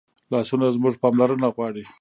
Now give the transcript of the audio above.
لاسونه زموږ پاملرنه غواړي